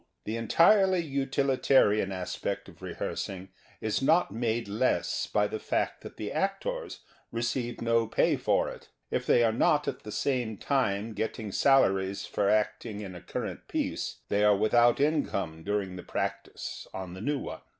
The entirely utilitarian aspect of rehearsing is not made less by the fact that the actors receive no pay for it. If they are not at the same time getting salaries for acting in a current piece, they are without income during the practice on the new one.